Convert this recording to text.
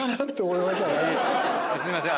すいません。